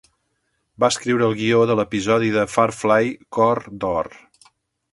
Va escriure el guió de l'episodi de Firefly "Cor d'Or".